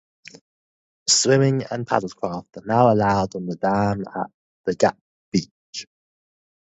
Swimming and paddle craft are now allowed on the dam at 'The Gap Beach'.